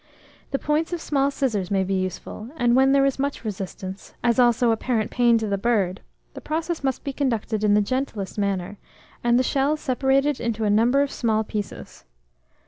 The points of small scissors may be useful, and when there is much resistance, as also apparent pain to the bird, the process must be conducted in the gentlest manner, and the shell separated into a number of small pieces.